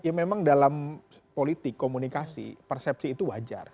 ya memang dalam politik komunikasi persepsi itu wajar